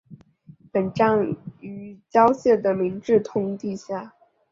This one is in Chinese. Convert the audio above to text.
本站位于与交界的明治通地下。